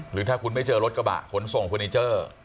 หรือถ้าคุณไม่เจอรถกระบะขนส่งเฟอร์นิเจอร์